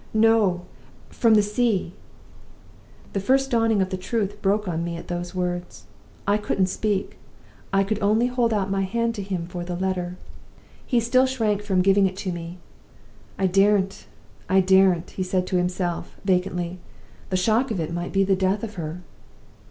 "'No. From the sea!' "The first dawning of the truth broke on me at those words. I couldn't speak I could only hold out my hand to him for the letter. "He still shrank from giving it to me. 'I daren't! I daren't!' he said to himself, vacantly. 'The shock of it might be the death of her.